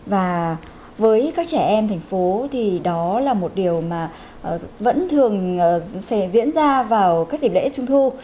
và với các trẻ em thành phố thì đó là một điều mà vẫn thường sẽ diễn ra vào các dịp lễ trung thu